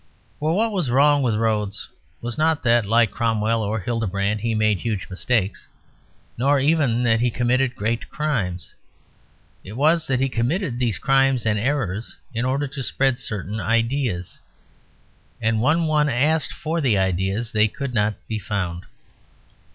For what was wrong with Rhodes was not that, like Cromwell or Hildebrand, he made huge mistakes, nor even that he committed great crimes. It was that he committed these crimes and errors in order to spread certain ideas. And when one asked for the ideas they could not be found.